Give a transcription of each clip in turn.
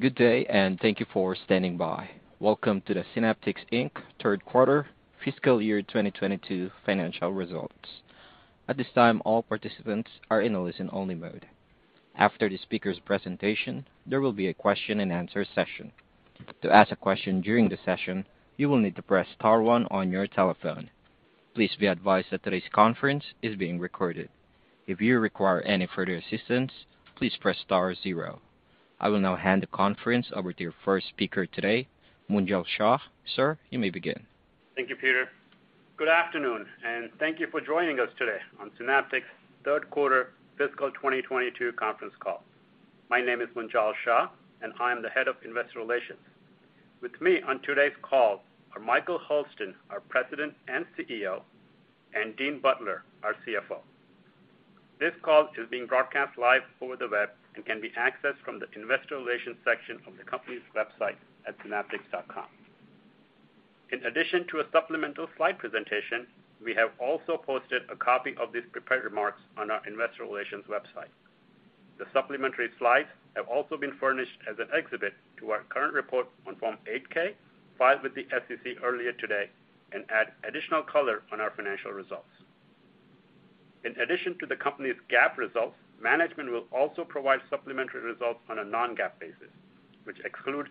Good day, and thank you for standing by. Welcome to the Synaptics Inc. Q3 fiscal year 2022 financial results. At this time, all participants are in a listen-only mode. After the speaker's presentation, there will be a question-and-answer session. To ask a question during the session, you will need to press star one on your telephone. Please be advised that today's conference is being recorded. If you require any further assistance, please press star zero. I will now hand the conference over to your first speaker today, Munjal Shah. Sir, you may begin. Thank you, Peter. Good afternoon, and thank you for joining us today on Synaptics Q3 fiscal 2022 conference call. My name is Munjal Shah, and I am the Head of Investor Relations. With me on today's call are Michael Hurlston, our President and CEO, and Dean Butler, our CFO. This call is being broadcast live over the web and can be accessed from the investor relations section of the company's website at synaptics.com. In addition to a supplemental slide presentation, we have also posted a copy of these prepared remarks on our investor relations website. The supplementary slides have also been furnished as an exhibit to our current report on Form 8-K filed with the SEC earlier today and add additional color on our financial results. In addition to the company's GAAP results, management will also provide supplementary results on a non-GAAP basis, which excludes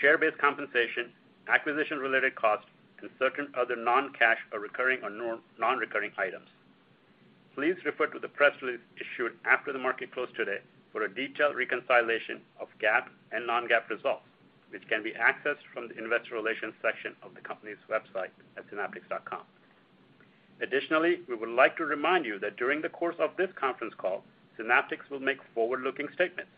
share-based compensation, acquisition-related costs, and certain other non-cash or recurring or non-recurring items. Please refer to the press release issued after the market close today for a detailed reconciliation of GAAP and non-GAAP results, which can be accessed from the Investor relations section of the company's website at synaptics.com. Additionally, we would like to remind you that during the course of this conference call, Synaptics will make forward-looking statements.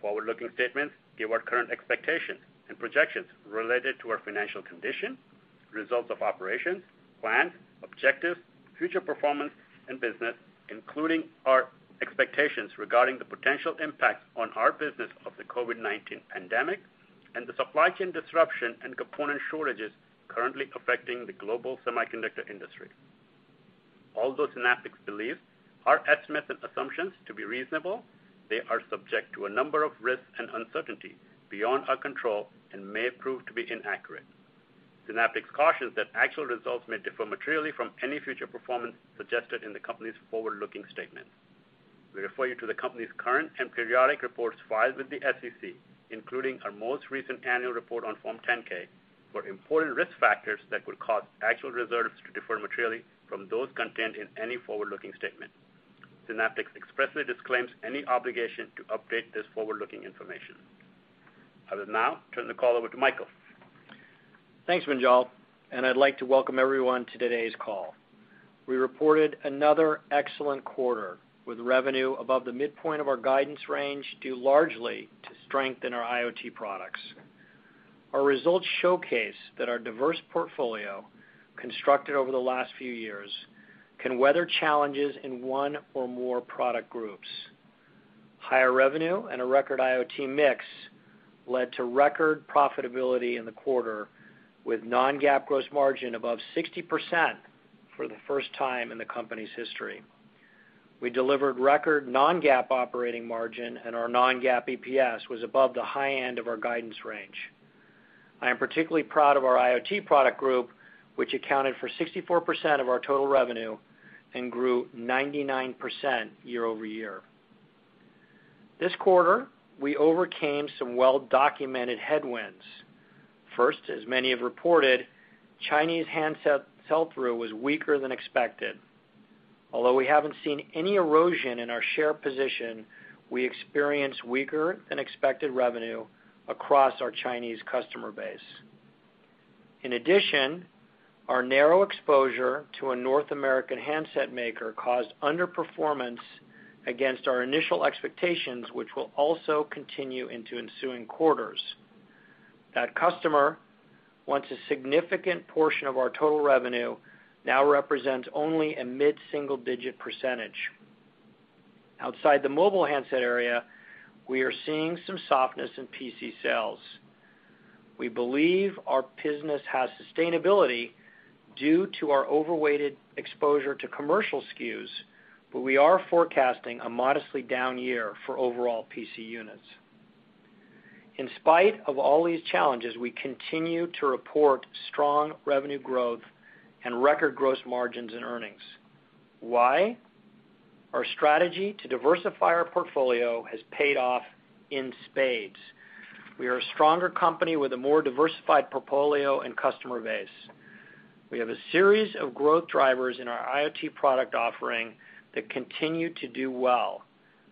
Forward-looking statements give our current expectations and projections related to our financial condition, results of operations, plans, objectives, future performance, and business, including our expectations regarding the potential impact on our business of the COVID-19 pandemic and the supply chain disruption and component shortages currently affecting the global semiconductor industry. Although Synaptics believes our estimates and assumptions to be reasonable, they are subject to a number of risks and uncertainties beyond our control and may prove to be inaccurate. Synaptics cautions that actual results may differ materially from any future performance suggested in the company's forward-looking statements. We refer you to the company's current and periodic reports filed with the SEC, including our most recent annual report on Form 10-K, for important risk factors that could cause actual results to differ materially from those contained in any forward-looking statement. Synaptics expressly disclaims any obligation to update this forward-looking information. I will now turn the call over to Michael. Thanks, Munjal, and I'd like to welcome everyone to today's call. We reported another excellent quarter, with revenue above the midpoint of our guidance range, due largely to strength in our IoT products. Our results showcase that our diverse portfolio, constructed over the last few years, can weather challenges in one or more product groups. Higher revenue and a record IoT mix led to record profitability in the quarter, with non-GAAP gross margin above 60% for the first time in the company's history. We delivered record non-GAAP operating margin, and our non-GAAP EPS was above the high end of our guidance range. I am particularly proud of our IoT product group, which accounted for 64% of our total revenue and grew 99% year-over-year. This quarter, we overcame some well-documented headwinds. First, as many have reported, Chinese handset sell-through was weaker than expected. Although we haven't seen any erosion in our share position, we experienced weaker than expected revenue across our Chinese customer base. In addition, our narrow exposure to a North American handset maker caused underperformance against our initial expectations, which will also continue into ensuing quarters. That customer, once a significant portion of our total revenue, now represents only a mid-single-digit %. Outside the mobile handset area, we are seeing some softness in PC sales. We believe our business has sustainability due to our overweighted exposure to commercial SKUs, but we are forecasting a modestly down year for overall PC units. In spite of all these challenges, we continue to report strong revenue growth and record gross margins and earnings. Why? Our strategy to diversify our portfolio has paid off in spades. We are a stronger company with a more diversified portfolio and customer base. We have a series of growth drivers in our IoT product offering that continue to do well,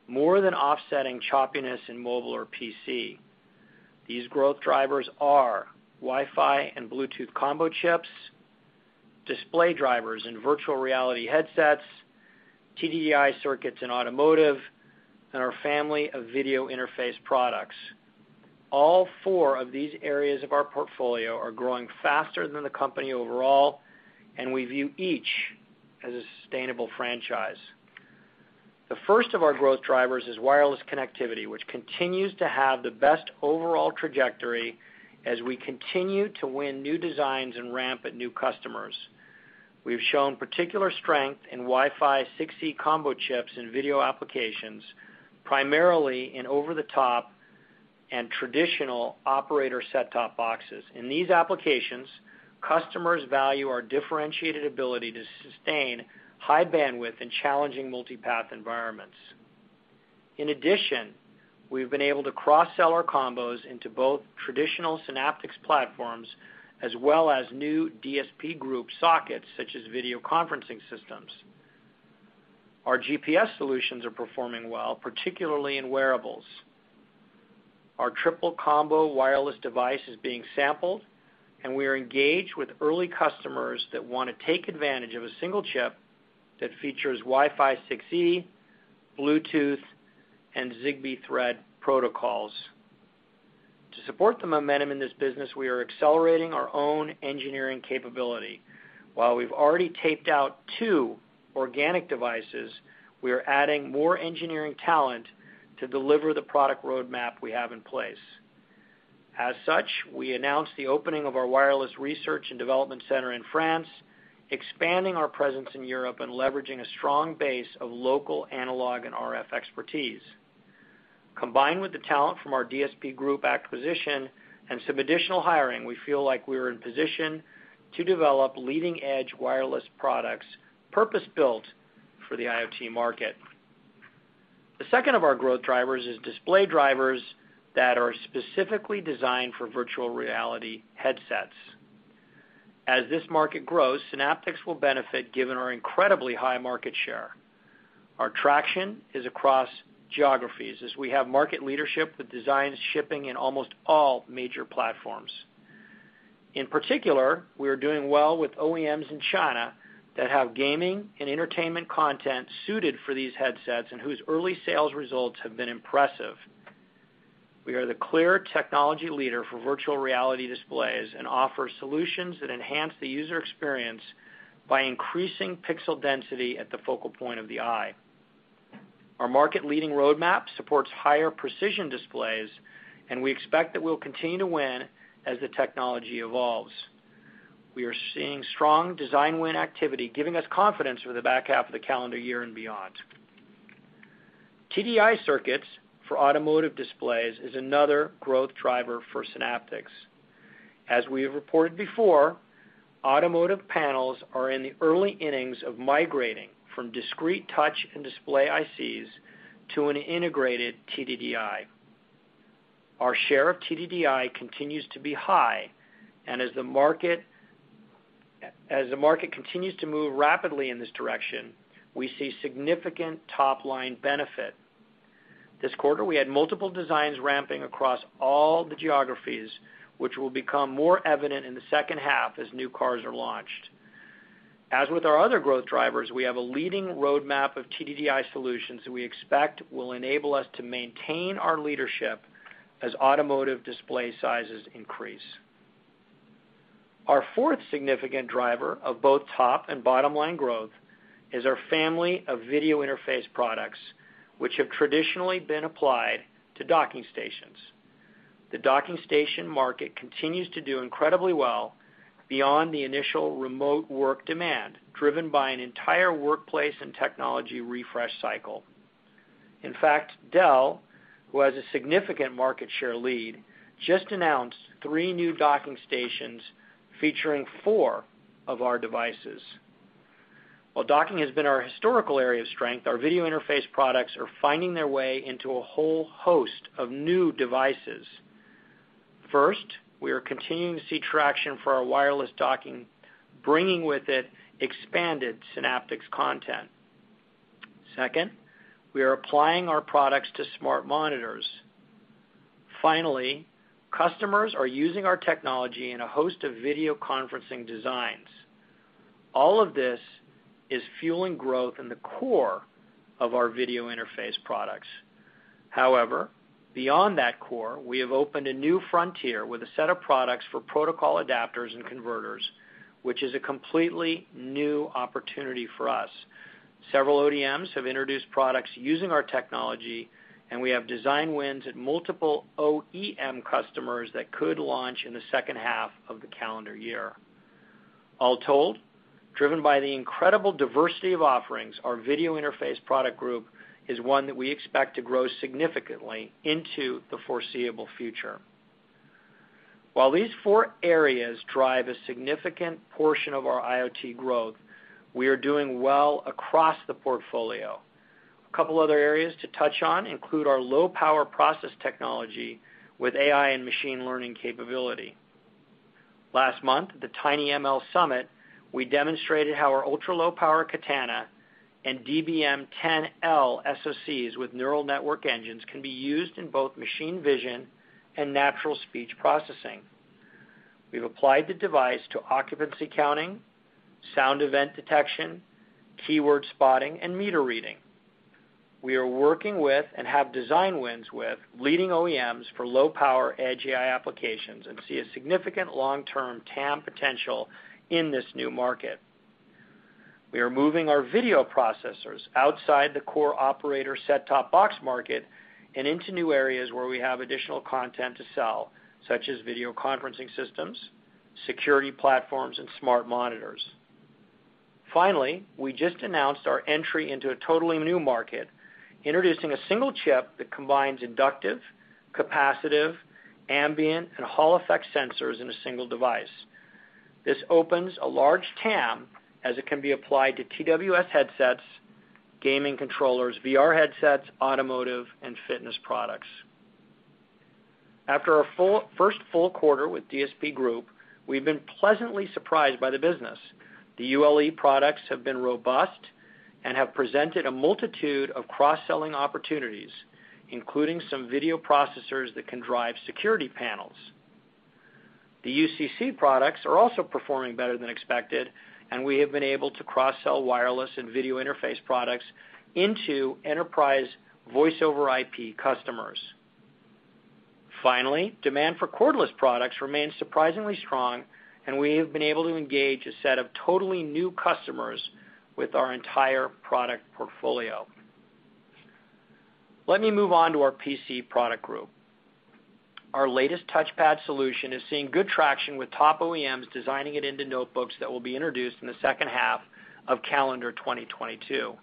more than offsetting choppiness in mobile or PC. These growth drivers are Wi-Fi and Bluetooth combo chips, display drivers in virtual reality headsets, TDDI circuits in automotive, and our family of video interface products. All four of these areas of our portfolio are growing faster than the company overall, and we view each as a sustainable franchise. The first of our growth drivers is wireless connectivity, which continues to have the best overall trajectory as we continue to win new designs and ramp at new customers. We've shown particular strength in Wi-Fi 6E combo chips in video applications, primarily in over-the-top and traditional operator set-top boxes. In these applications, customers value our differentiated ability to sustain high bandwidth in challenging multipath environments. In addition, we've been able to cross-sell our combos into both traditional Synaptics platforms as well as new DSP Group sockets, such as video conferencing systems. Our GPS solutions are performing well, particularly in wearables. Our triple combo wireless device is being sampled, and we are engaged with early customers that want to take advantage of a single chip that features Wi-Fi 6E, Bluetooth, and Zigbee Thread protocols. To support the momentum in this business, we are accelerating our own engineering capability. While we've already taped out two organic devices, we are adding more engineering talent to deliver the product roadmap we have in place. As such, we announced the opening of our wireless research and development center in France, expanding our presence in Europe and leveraging a strong base of local analog and RF expertise. Combined with the talent from our DSP Group acquisition and some additional hiring, we feel like we are in position to develop leading-edge wireless products purpose-built for the IoT market. The second of our growth drivers is display drivers that are specifically designed for virtual reality headsets. As this market grows, Synaptics will benefit given our incredibly high market share. Our traction is across geographies as we have market leadership with designs shipping in almost all major platforms. In particular, we are doing well with OEMs in China that have gaming and entertainment content suited for these headsets and whose early sales results have been impressive. We are the clear technology leader for virtual reality displays and offer solutions that enhance the user experience by increasing pixel density at the focal point of the eye. Our market-leading roadmap supports higher precision displays, and we expect that we'll continue to win as the technology evolves. We are seeing strong design win activity, giving us confidence for the back half of the calendar year and beyond. TDDI circuits for automotive displays is another growth driver for Synaptics. As we have reported before, automotive panels are in the early innings of migrating from discrete touch and display ICs to an integrated TDDI. Our share of TDDI continues to be high, and as the market continues to move rapidly in this direction, we see significant top-line benefit. This quarter, we had multiple designs ramping across all the geographies, which will become more evident in the second half as new cars are launched. As with our other growth drivers, we have a leading roadmap of TDDI solutions that we expect will enable us to maintain our leadership as automotive display sizes increase. Our fourth significant driver of both top and bottom-line growth is our family of video interface products, which have traditionally been applied to docking stations. The docking station market continues to do incredibly well beyond the initial remote work demand, driven by an entire workplace and technology refresh cycle. In fact, Dell, who has a significant market share lead, just announced three new docking stations featuring four of our devices. While docking has been our historical area of strength, our video interface products are finding their way into a whole host of new devices. First, we are continuing to see traction for our wireless docking, bringing with it expanded Synaptics content. Second, we are applying our products to smart monitors. Finally, customers are using our technology in a host of video conferencing designs. All of this is fueling growth in the core of our video interface products. However, beyond that core, we have opened a new frontier with a set of products for protocol adapters and converters, which is a completely new opportunity for us. Several ODMs have introduced products using our technology, and we have design wins at multiple OEM customers that could launch in the second half of the calendar year. All told, driven by the incredible diversity of offerings, our video interface product group is one that we expect to grow significantly into the foreseeable future. While these four areas drive a significant portion of our IoT growth, we are doing well across the portfolio. A couple other areas to touch on include our low-power process technology with AI and machine learning capability. Last month, at the tinyML Summit, we demonstrated how our ultra-low power Katana and DBM10L SoCs with neural network engines can be used in both machine vision and natural speech processing. We've applied the device to occupancy counting, sound event detection, keyword spotting, and meter reading. We are working with and have design wins with leading OEMs for low-power edge AI applications and see a significant long-term TAM potential in this new market. We are moving our video processors outside the core operator set-top box market and into new areas where we have additional content to sell, such as video conferencing systems, security platforms, and smart monitors. Finally, we just announced our entry into a totally new market, introducing a single chip that combines inductive, capacitive, ambient, and Hall effect sensors in a single device. This opens a large TAM as it can be applied to TWS headsets, gaming controllers, VR headsets, automotive, and fitness products. After our first full quarter with DSP Group, we've been pleasantly surprised by the business. The ULE products have been robust and have presented a multitude of cross-selling opportunities, including some video processors that can drive security panels. The UCC products are also performing better than expected, and we have been able to cross-sell wireless and video interface products into enterprise voice-over-IP customers. Finally, demand for cordless products remains surprisingly strong, and we have been able to engage a set of totally new customers with our entire product portfolio. Let me move on to our PC product group. Our latest touchpad solution is seeing good traction with top OEMs designing it into notebooks that will be introduced in the second half of calendar 2022.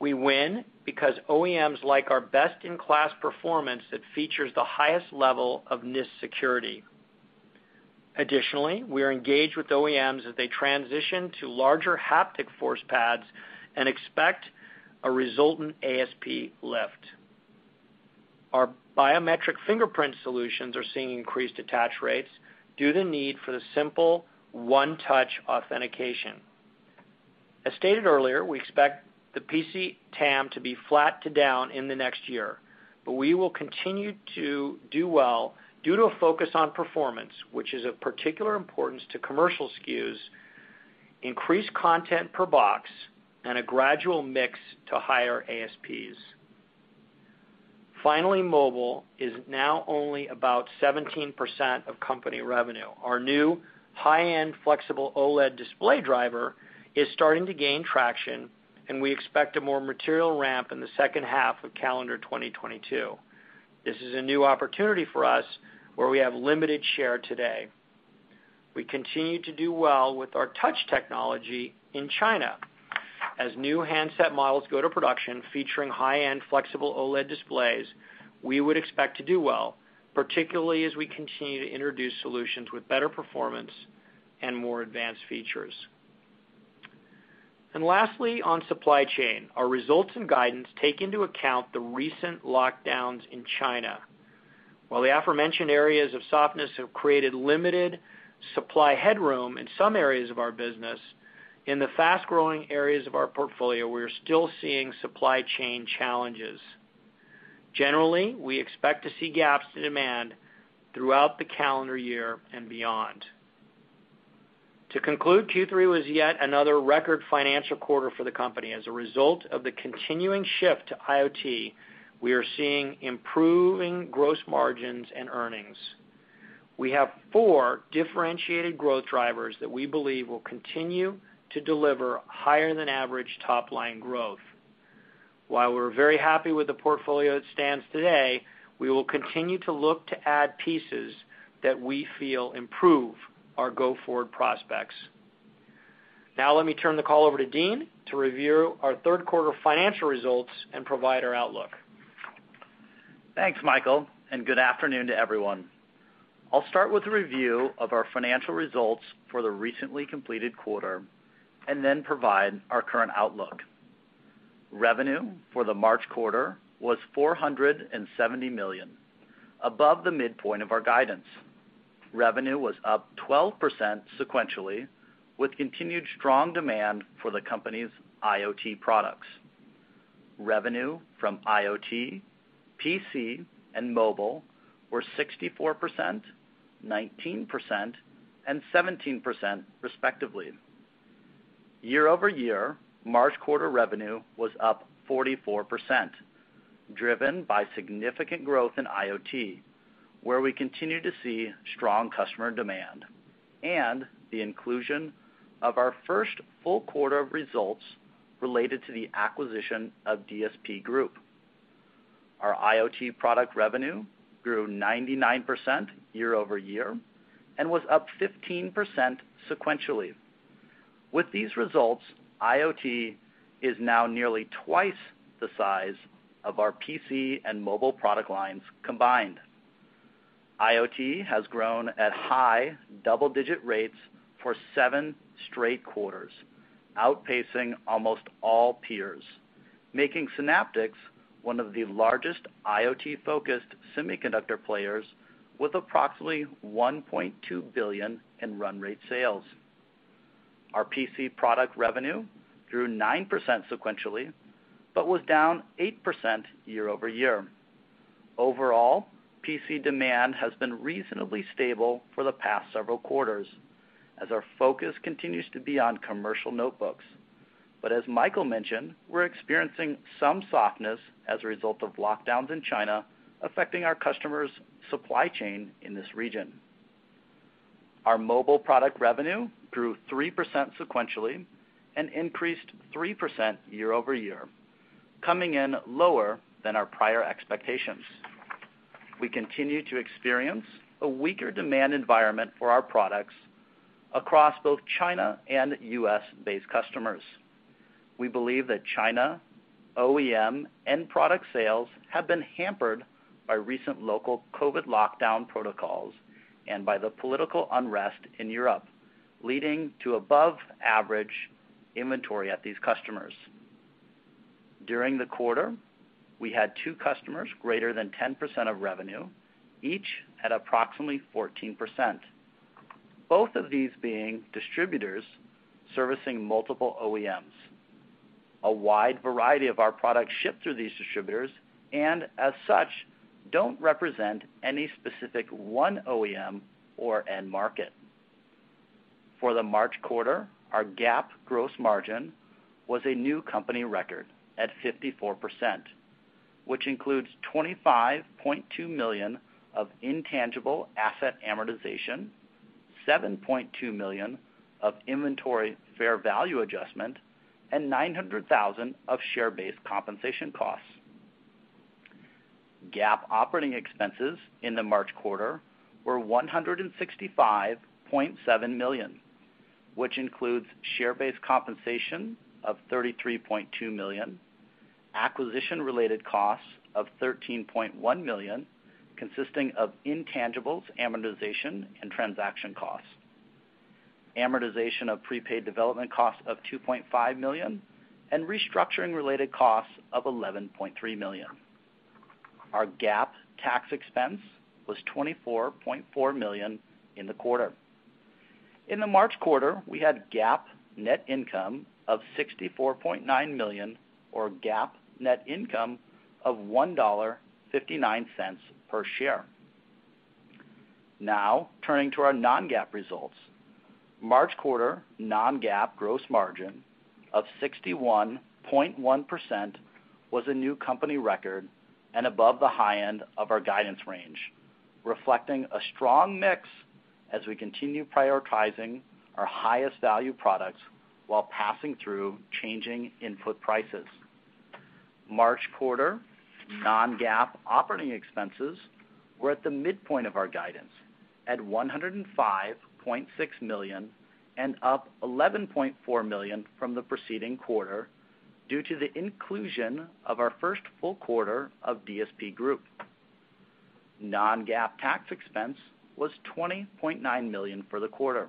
We win because OEMs like our best-in-class performance that features the highest level of NIST security. Additionally, we are engaged with OEMs as they transition to larger haptic ForcePads and expect a resultant ASP lift. Our biometric fingerprint solutions are seeing increased attach rates due to need for the simple one-touch authentication. As stated earlier, we expect the PC TAM to be flat to down in the next year, but we will continue to do well due to a focus on performance, which is of particular importance to commercial SKUs, increased content per box, and a gradual mix to higher ASPs. Finally, mobile is now only about 17% of company revenue. Our new high-end flexible OLED display driver is starting to gain traction, and we expect a more material ramp in the second half of calendar 2022. This is a new opportunity for us where we have limited share today. We continue to do well with our touch technology in China. As new handset models go to production featuring high-end flexible OLED displays, we would expect to do well, particularly as we continue to introduce solutions with better performance and more advanced features. Lastly, on supply chain. Our results and guidance take into account the recent lockdowns in China. While the aforementioned areas of softness have created limited supply headroom in some areas of our business, in the fast-growing areas of our portfolio, we are still seeing supply chain challenges. Generally, we expect to see gaps in demand throughout the calendar year and beyond. To conclude, Q3 was yet another record financial quarter for the company. As a result of the continuing shift to IoT, we are seeing improving gross margins and earnings. We have four differentiated growth drivers that we believe will continue to deliver higher than average top-line growth. While we're very happy with the portfolio as it stands today, we will continue to look to add pieces that we feel improve our go-forward prospects. Now let me turn the call over to Dean to review our Q3 financial results and provide our outlook. Thanks, Michael, and good afternoon to everyone. I'll start with a review of our financial results for the recently completed quarter and then provide our current outlook. Revenue for the March quarter was $470 million, above the midpoint of our guidance. Revenue was up 12% sequentially, with continued strong demand for the company's IoT products. Revenue from IoT, PC, and mobile were 64%, 19%, and 17% respectively. Year-over-year, March quarter revenue was up 44%, driven by significant growth in IoT, where we continue to see strong customer demand and the inclusion of our first full quarter of results related to the acquisition of DSP Group. Our IoT product revenue grew 99% year-over-year and was up 15% sequentially. With these results, IoT is now nearly twice the size of our PC and mobile product lines combined. IoT has grown at high double-digit rates for seven straight quarters, outpacing almost all peers, making Synaptics one of the largest IoT-focused semiconductor players with approximately $1.2 billion in run rate sales. Our PC product revenue grew 9% sequentially, but was down 8% year-over-year. Overall, PC demand has been reasonably stable for the past several quarters as our focus continues to be on commercial notebooks. As Michael mentioned, we're experiencing some softness as a result of lockdowns in China affecting our customers' supply chain in this region. Our mobile product revenue grew 3% sequentially and increased 3% year-over-year, coming in lower than our prior expectations. We continue to experience a weaker demand environment for our products across both China and U.S.-based customers. We believe that China OEM end product sales have been hampered by recent local COVID lockdown protocols and by the political unrest in Europe, leading to above average inventory at these customers. During the quarter, we had two customers greater than 10% of revenue, each at approximately 14%, both of these being distributors servicing multiple OEMs. A wide variety of our products ship through these distributors, and as such, don't represent any specific one OEM or end market. For the March quarter, our GAAP gross margin was a new company record at 54%, which includes $25.2 million of intangible asset amortization, $7.2 million of inventory fair value adjustment, and $900,000 of share-based compensation costs. GAAP operating expenses in the March quarter were $165.7 million, which includes share-based compensation of $33.2 million, acquisition-related costs of $13.1 million, consisting of intangibles, amortization, and transaction costs, amortization of prepaid development costs of $2.5 million, and restructuring related costs of $11.3 million. Our GAAP tax expense was $24.4 million in the quarter. In the March quarter, we had GAAP net income of $64.9 million or GAAP net income of $1.59 per share. Now turning to our non-GAAP results. March quarter non-GAAP gross margin of 61.1% was a new company record and above the high end of our guidance range, reflecting a strong mix as we continue prioritizing our highest value products while passing through changing input prices. March quarter non-GAAP operating expenses were at the midpoint of our guidance at $105.6 million and up $11.4 million from the preceding quarter due to the inclusion of our first full quarter of DSP Group. Non-GAAP tax expense was $20.9 million for the quarter.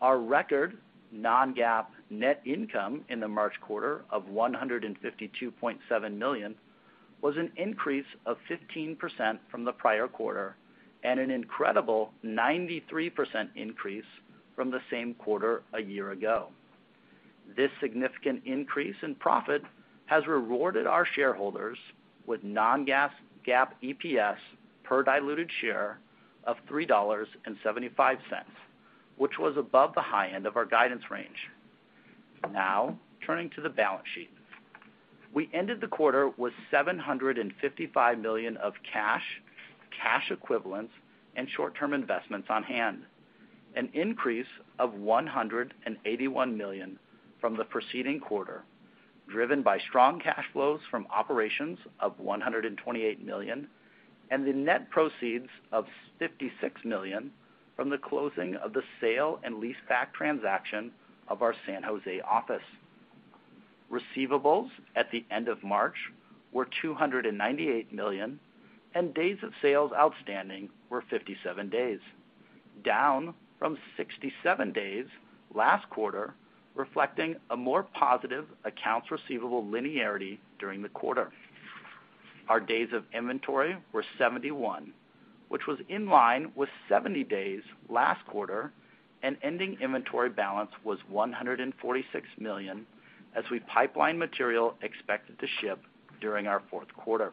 Our record non-GAAP net income in the March quarter of $152.7 million was an increase of 15% from the prior quarter and an incredible 93% increase from the same quarter a year ago. This significant increase in profit has rewarded our shareholders with non-GAAP EPS per diluted share of $3.75, which was above the high end of our guidance range. Now turning to the balance sheet. We ended the quarter with $755 million of cash equivalents, and short-term investments on hand, an increase of $181 million from the preceding quarter, driven by strong cash flows from operations of $128 million, and the net proceeds of $56 million from the closing of the sale and leaseback transaction of our San Jose office. Receivables at the end of March were $298 million, and days of sales outstanding were 57 days, down from 67 days last quarter, reflecting a more positive accounts receivable linearity during the quarter. Our days of inventory were 71, which was in line with 70 days last quarter, and ending inventory balance was $146 million as we pipelined material expected to ship during our Q4.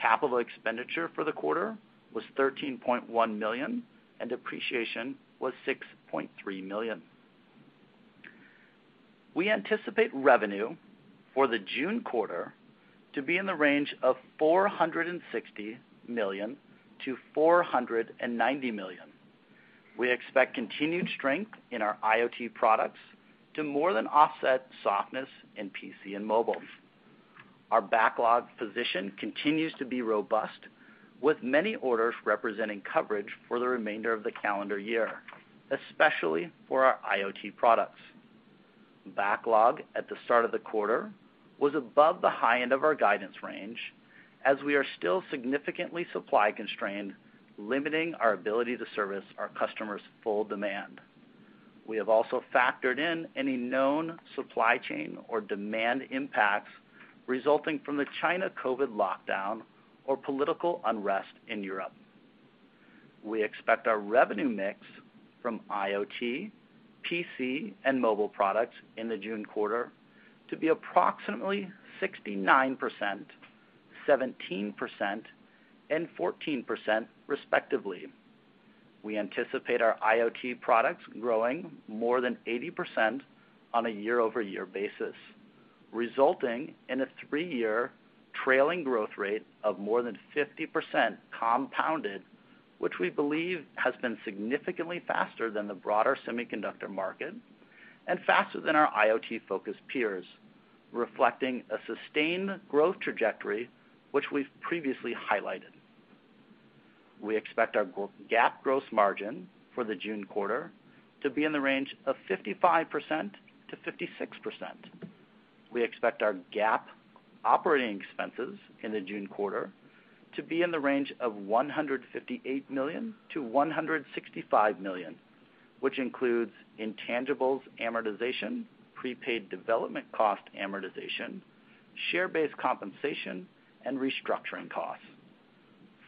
Capital expenditure for the quarter was $13.1 million, and depreciation was $6.3 million. We anticipate revenue for the June quarter to be in the range of $460 million to $490 million. We expect continued strength in our IoT products to more than offset softness in PC and mobile. Our backlog position continues to be robust, with many orders representing coverage for the remainder of the calendar year, especially for our IoT products. Backlog at the start of the quarter was above the high end of our guidance range, as we are still significantly supply constrained, limiting our ability to service our customers' full demand. We have also factored in any known supply chain or demand impacts resulting from the China COVID lockdown or political unrest in Europe. We expect our revenue mix from IoT, PC, and mobile products in the June quarter to be approximately 69%, 17%, and 14% respectively. We anticipate our IoT products growing more than 80% on a year-over-year basis. Resulting in a three-year trailing growth rate of more than 50% compounded, which we believe has been significantly faster than the broader semiconductor market and faster than our IoT-focused peers, reflecting a sustained growth trajectory which we've previously highlighted. We expect our non-GAAP gross margin for the June quarter to be in the range of 55% to 56%. We expect our GAAP operating expenses in the June quarter to be in the range of $158 million to $165 million, which includes intangibles amortization, prepaid development cost amortization, share-based compensation, and restructuring costs.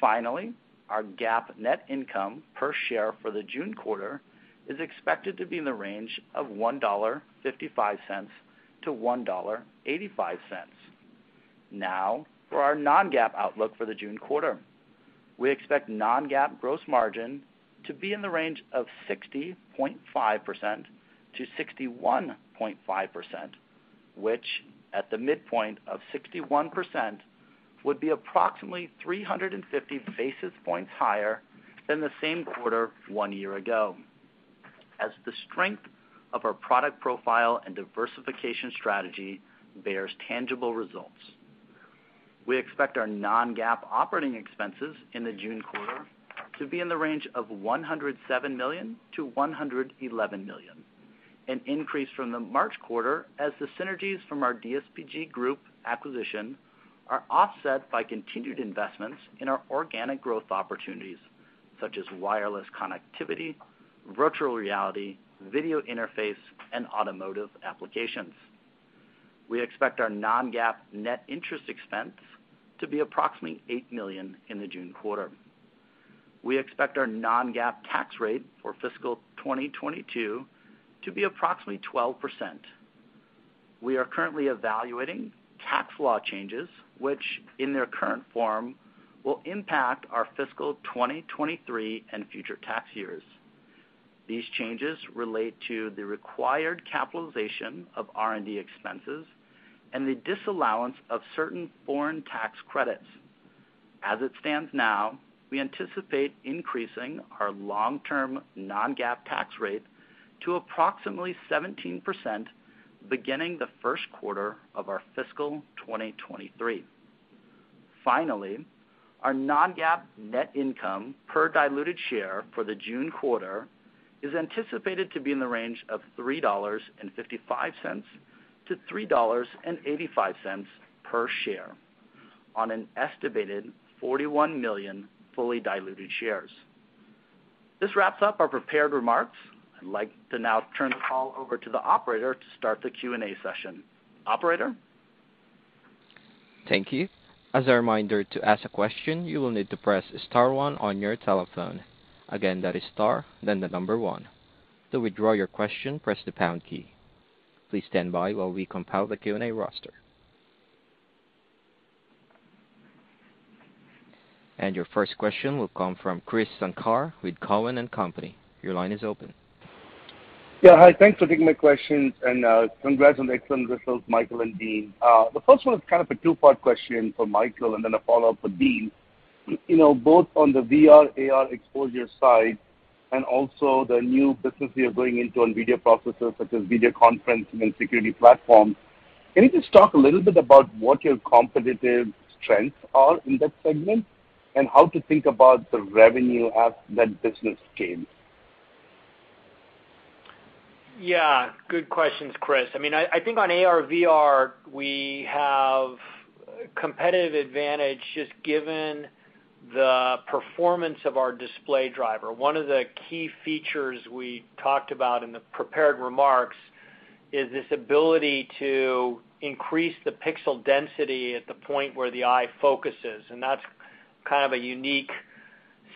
Finally, our GAAP net income per share for the June quarter is expected to be in the range of $1.55 to $1.85. Now for our non-GAAP outlook for the June quarter. We expect non-GAAP gross margin to be in the range of 60.5%-61.5%, which at the midpoint of 61% would be approximately 350 basis points higher than the same quarter one year ago, as the strength of our product profile and diversification strategy bears tangible results. We expect our non-GAAP operating expenses in the June quarter to be in the range of $107 million to $111 million, an increase from the March quarter as the synergies from our DSP Group acquisition are offset by continued investments in our organic growth opportunities, such as wireless connectivity, virtual reality, video interface, and automotive applications. We expect our non-GAAP net interest expense to be approximately $8 million in the June quarter. We expect our non-GAAP tax rate for fiscal 2022 to be approximately 12%. We are currently evaluating tax law changes which, in their current form, will impact our fiscal 2023 and future tax years. These changes relate to the required capitalization of R&D expenses and the disallowance of certain foreign tax credits. As it stands now, we anticipate increasing our long-term non-GAAP tax rate to approximately 17% beginning the Q1 of our fiscal 2023. Finally, our non-GAAP net income per diluted share for the June quarter is anticipated to be in the range of $3.55 to $3.85 per share on an estimated 41 million fully diluted shares. This wraps up our prepared remarks. I'd like to now turn the call over to the operator to start the Q&A session. Operator? Thank you. As a reminder, to ask a question, you will need to press star one on your telephone. Again, that is star, then the number one. To withdraw your question, press the pound key. Please stand by while we compile the Q&A roster. Your first question will come from Krish Sankar with Cowen and Company. Your line is open. Yeah, hi. Thanks for taking my questions, and congrats on the excellent results, Michael and Dean. The first one is kind of a two-part question for Michael and then a follow-up for Dean. You know, both on the VR/AR exposure side and also the new business you're going into on video processors, such as video conferencing and security platforms, can you just talk a little bit about what your competitive strengths are in that segment and how to think about the revenue as that business scales? Yeah. Good questions, Krish. I mean, I think on AR/VR we have competitive advantage just given the performance of our display driver. One of the key features we talked about in the prepared remarks is this ability to increase the pixel density at the point where the eye focuses, and that's kind of a unique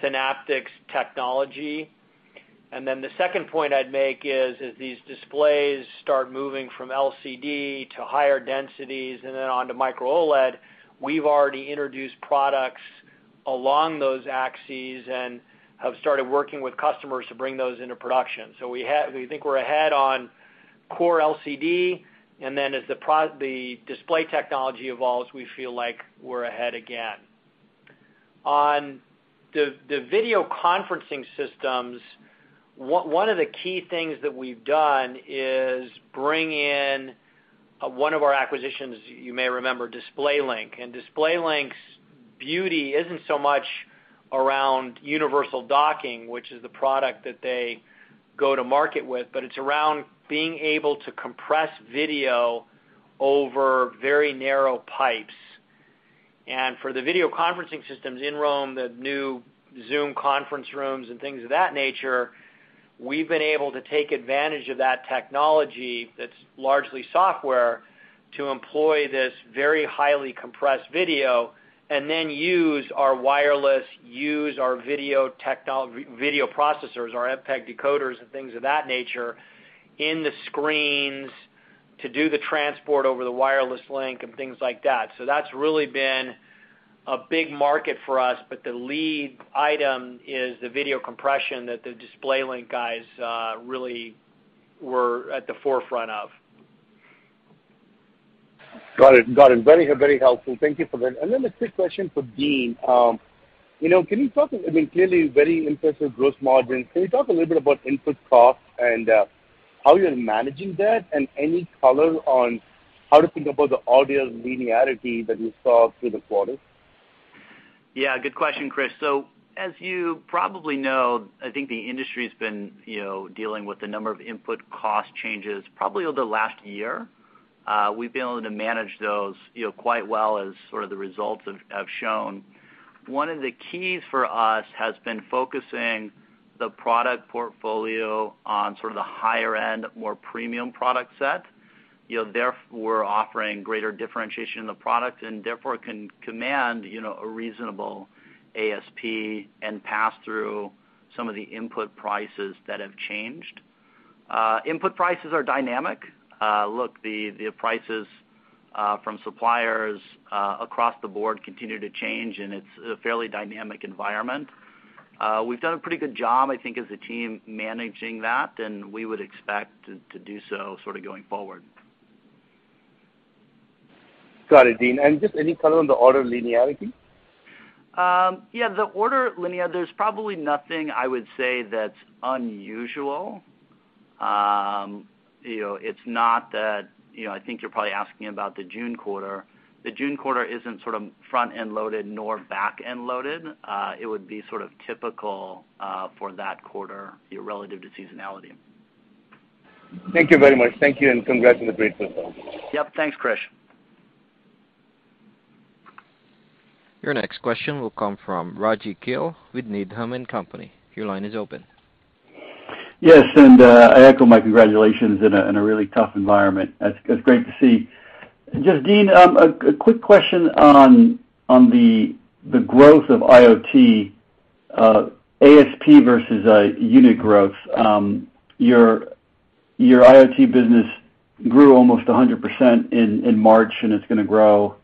Synaptics technology. The second point I'd make is, as these displays start moving from LCD to higher densities and then onto Micro-OLED, we've already introduced products along those axes and have started working with customers to bring those into production. We think we're ahead on core LCD, and then as the display technology evolves, we feel like we're ahead again. On the video conferencing systems, one of the key things that we've done is bring in one of our acquisitions, you may remember DisplayLink. DisplayLink's beauty isn't so much around universal docking, which is the product that they go to market with, but it's around being able to compress video over very narrow pipes. For the video conferencing systems in-room, the new Zoom conference rooms and things of that nature, we've been able to take advantage of that technology, that's largely software, to employ this very highly compressed video, and then use our wireless, use our video processors, our MPEG decoders, and things of that nature in the screens to do the transport over the wireless link and things like that. That's really been A big market for us, but the lead item is the video compression that the DisplayLink guys really were at the forefront of. Got it. Very helpful. Thank you for that. A quick question for Dean. You know, I mean, clearly very impressive gross margin. Can you talk a little bit about input costs and how you're managing that and any color on how to think about the order linearity that you saw through the quarter? Yeah, good question, Krish. As you probably know, I think the industry's been, you know, dealing with the number of input cost changes probably over the last year. We've been able to manage those, you know, quite well as sort of the results have shown. One of the keys for us has been focusing the product portfolio on sort of the higher end, more premium product set, you know, therefore, offering greater differentiation in the product and therefore can command, you know, a reasonable ASP and pass through some of the input prices that have changed. Input prices are dynamic. Look, the prices from suppliers across the board continue to change, and it's a fairly dynamic environment. We've done a pretty good job, I think, as a team managing that, and we would expect to do so sort of going forward. Got it, Dean. Just any color on the order linearity? Yeah, the order linearity, there's probably nothing I would say that's unusual. You know, it's not that, you know, I think you're probably asking about the June quarter. The June quarter isn't sort of front-end loaded nor back-end loaded. It would be sort of typical for that quarter, you know, relative to seasonality. Thank you very much. Thank you, and congrats on the great results. Yep. Thanks, Krish. Your next question will come from Rajvindra Gill with Needham & Company. Your line is open. Yes, I echo my congratulations in a really tough environment. That's great to see. Just Dean, a quick question on the growth of IoT, ASP versus unit growth. Your IoT business grew almost 100% in March, and it's gonna grow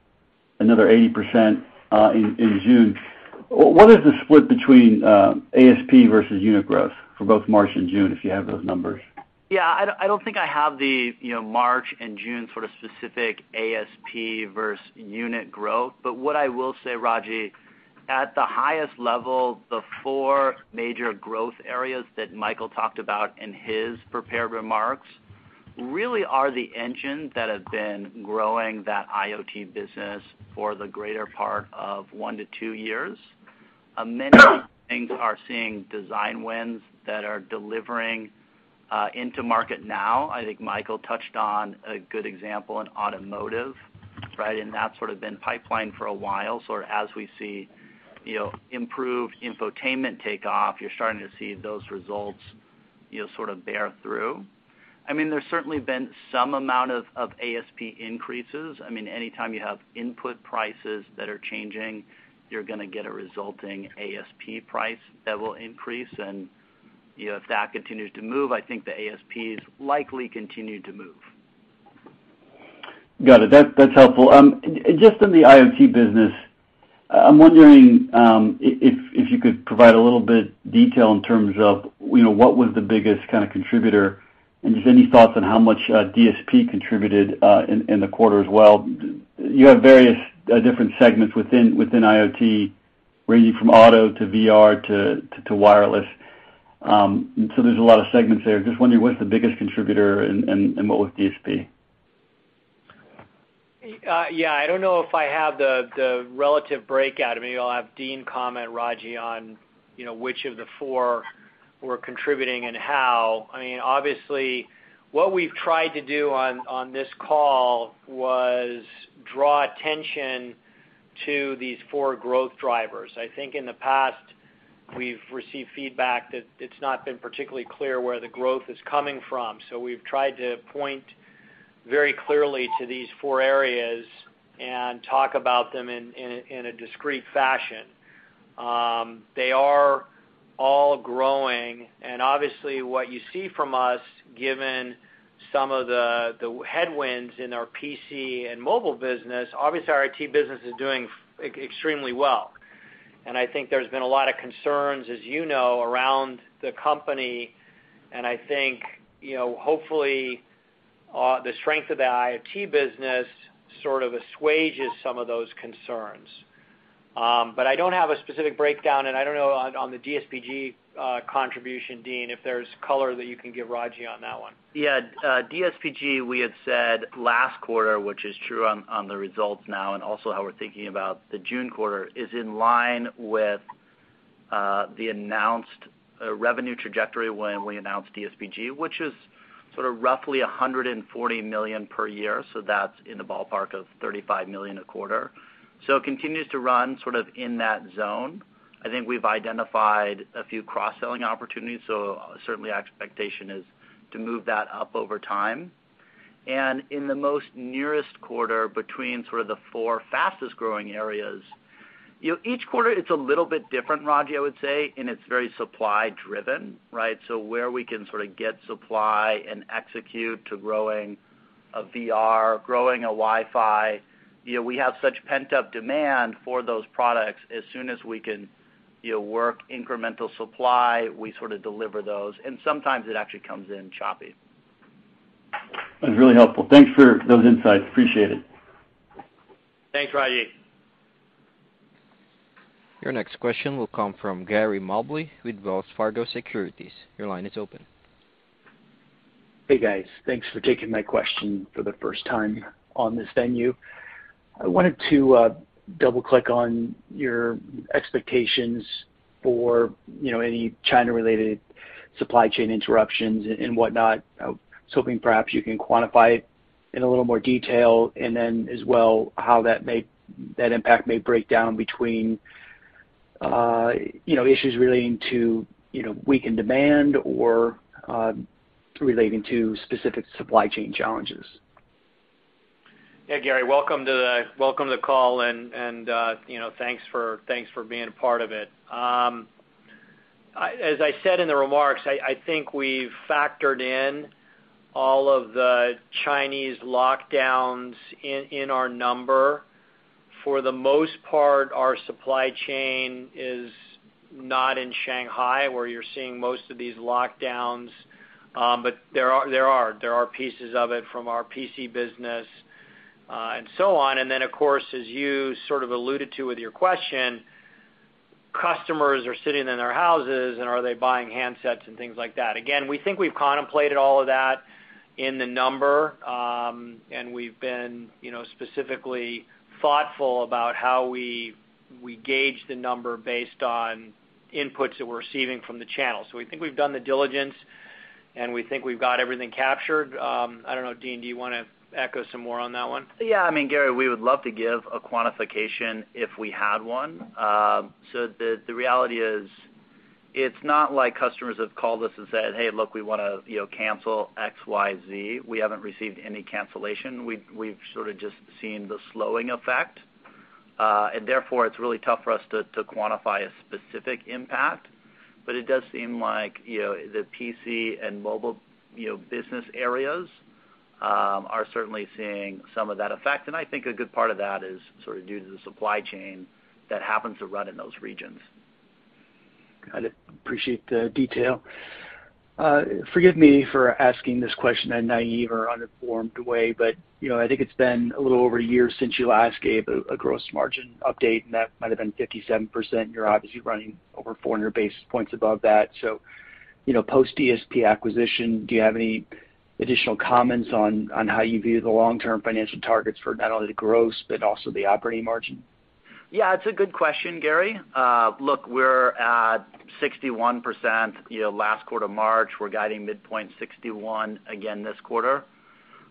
another 80% in June. What is the split between ASP versus unit growth for both March and June, if you have those numbers? I don't think I have the, you know, March and June sort of specific ASP versus unit growth. What I will say, Rajvindra, at the highest level, the four major growth areas that Michael talked about in his prepared remarks really are the engines that have been growing that IoT business for the greater part of one-two years. Many things are seeing design wins that are delivering into market now. I think Michael touched on a good example in automotive, right? That's sort of been pipelined for a while. Sort of as we see, you know, improved infotainment take off, you're starting to see those results, you know, sort of bear through. I mean, there's certainly been some amount of ASP increases. I mean, anytime you have input prices that are changing, you're gonna get a resulting ASP price that will increase. You know, if that continues to move, I think the ASPs likely continue to move. Got it. That's helpful. Just in the IoT business, I'm wondering if you could provide a little bit detail in terms of, you know, what was the biggest kind of contributor, and just any thoughts on how much DSP contributed in the quarter as well. You have various different segments within IoT, ranging from auto to VR to wireless. There's a lot of segments there. Just wondering what's the biggest contributor and what was DSP? I don't know if I have the relative breakout. Maybe I'll have Dean comment, Rajvindra, on, you know, which of the four were contributing and how. I mean, obviously what we've tried to do on this call was draw attention to these four growth drivers. I think in the past, we've received feedback that it's not been particularly clear where the growth is coming from. We've tried to point very clearly to these four areas and talk about them in a discrete fashion. They are all growing and obviously what you see from us, given some of the headwinds in our PC and mobile business, obviously our IoT business is doing extremely well. I think there's been a lot of concerns, as you know, around the company, and I think, you know, hopefully, the strength of the IoT business sort of assuages some of those concerns. But I don't have a specific breakdown, and I don't know on the DSPG contribution, Dean, if there's color that you can give Rajvindra on that one. Yeah. DSPG, we had said last quarter, which is true on the results now and also how we're thinking about the June quarter, is in line with the announced revenue trajectory when we announced DSPG, which is sort of roughly $140 million per year, so that's in the ballpark of $35 million a quarter. It continues to run sort of in that zone. I think we've identified a few cross-selling opportunities, so certainly our expectation is to move that up over time. In the most recent quarter between sort of the four fastest-growing areas, you know, each quarter it's a little bit different, Rajvindra, I would say, and it's very supply driven, right? Where we can sort of get supply and execute to growing. AR/VR, growing Wi-Fi. You know, we have such pent-up demand for those products. As soon as we can, you know, work incremental supply, we sort of deliver those, and sometimes it actually comes in choppy. That's really helpful. Thanks for those insights. Appreciate it. Thanks, Rajvindra. Your next question will come from Gary Mobley with Wells Fargo Securities. Your line is open. Hey, guys. Thanks for taking my question for the first time on this venue. I wanted to double-click on your expectations for, you know, any China-related supply chain interruptions and whatnot. I was hoping perhaps you can quantify it in a little more detail, and then as well, how that impact may break down between, you know, issues relating to, you know, weakened demand or relating to specific supply chain challenges. Yeah, Gary, welcome to the call and, you know, thanks for being a part of it. As I said in the remarks, I think we've factored in all of the Chinese lockdowns in our number. For the most part, our supply chain is not in Shanghai, where you're seeing most of these lockdowns, but there are pieces of it from our PC business, and so on. Of course, as you sort of alluded to with your question, customers are sitting in their houses, and are they buying handsets and things like that? Again, we think we've contemplated all of that in the number, and we've been, you know, specifically thoughtful about how we gauge the number based on inputs that we're receiving from the channel. We think we've done the diligence, and we think we've got everything captured. I don't know, Dean, do you wanna echo some more on that one? Yeah. I mean, Gary, we would love to give a quantification if we had one. So the reality is, it's not like customers have called us and said, "Hey, look, we wanna, you know, cancel XYZ." We haven't received any cancellation. We've sort of just seen the slowing effect, and therefore, it's really tough for us to quantify a specific impact. But it does seem like, you know, the PC and mobile, you know, business areas are certainly seeing some of that effect. I think a good part of that is sort of due to the supply chain that happens to run in those regions. Got it. Appreciate the detail. Forgive me for asking this question in a naive or uninformed way, but, you know, I think it's been a little over a year since you last gave a gross margin update, and that might have been 57%. You're obviously running over 400 basis points above that. You know, post-DSP acquisition, do you have any additional comments on how you view the long-term financial targets for not only the gross but also the operating margin? Yeah, it's a good question, Gary. Look, we're at 61%, you know, last quarter, March. We're guiding midpoint 61% again this quarter.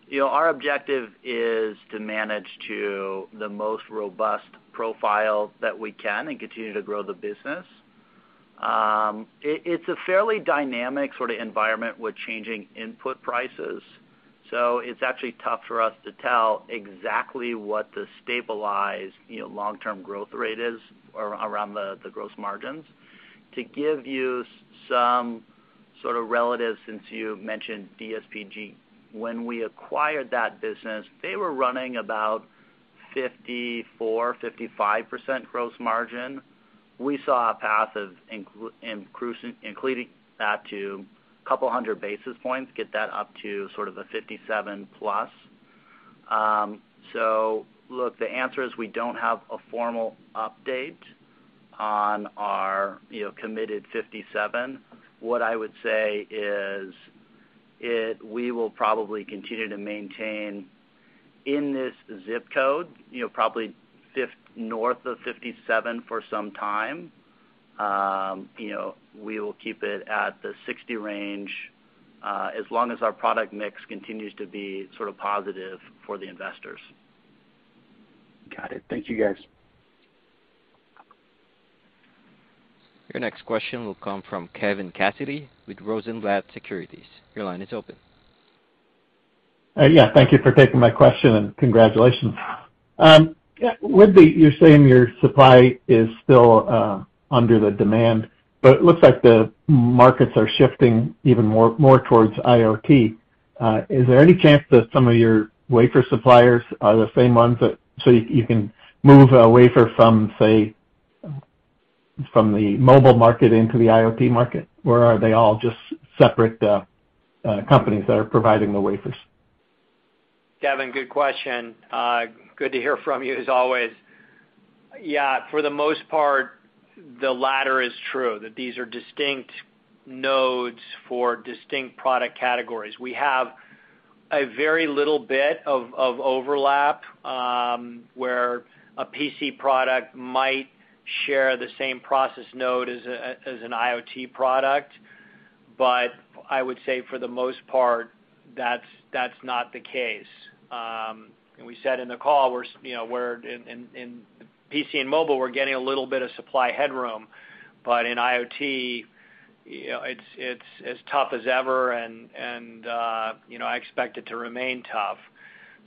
You know, our objective is to manage to the most robust profile that we can and continue to grow the business. It's a fairly dynamic sort of environment with changing input prices, so it's actually tough for us to tell exactly what the stabilized, you know, long-term growth rate is around the gross margins. To give you some sort of reference, since you mentioned DSPG, when we acquired that business, they were running about 54%, 55% gross margin. We saw a path of increasing that to 200 basis points, get that up to sort of a 57+. So look, the answer is we don't have a formal update on our, you know, committed 57. What I would say is we will probably continue to maintain in this ZIP code, you know, probably north of 57% for some time. You know, we will keep it at the 60% range, as long as our product mix continues to be sort of positive for the investors. Got it. Thank you, guys. Your next question will come from Kevin Cassidy with Rosenblatt Securities. Your line is open. Yeah, thank you for taking my question, and congratulations. Yeah, you're saying your supply is still under the demand, but it looks like the markets are shifting even more towards IoT. Is there any chance that some of your wafer suppliers are the same ones that, so you can move a wafer from, say, from the mobile market into the IoT market? Or are they all just separate companies that are providing the wafers? Kevin, good question. Good to hear from you as always. Yeah, for the most part, the latter is true, that these are distinct nodes for distinct product categories. We have a very little bit of overlap, where a PC product might share the same process node as an IoT product, but I would say for the most part, that's not the case. We said in the call, you know, we're in PC and mobile, we're getting a little bit of supply headroom, but in IoT, you know, it's as tough as ever and, you know, I expect it to remain tough.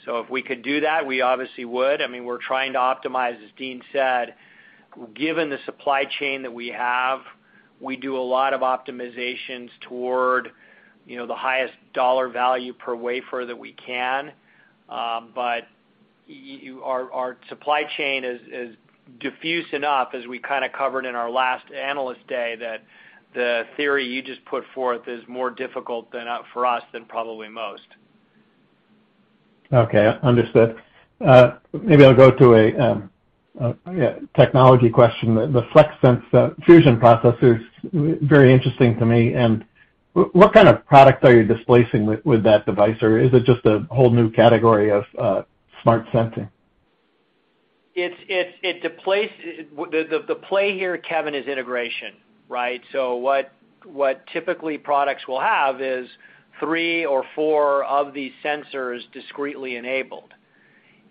If we could do that, we obviously would. I mean, we're trying to optimize, as Dean said. Given the supply chain that we have. We do a lot of optimizations toward, you know, the highest dollar value per wafer that we can. Our supply chain is diffuse enough as we kinda covered in our last Analyst Day, that the theory you just put forth is more difficult than for us than probably most. Okay, understood. Maybe I'll go to a technology question. The FlexSense fusion processor is very interesting to me. What kind of products are you displacing with that device? Or is it just a whole new category of smart sensing? The play here, Kevin, is integration, right? What typical products will have is three or four of these sensors discretely enabled.